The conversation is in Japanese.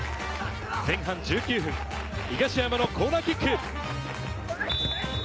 前半１９分、東山のコーナーキック。